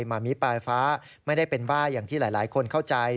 มามิปลายฟ้าไม่ได้เป็นบ้าอย่างที่หลายคนเข้าใจ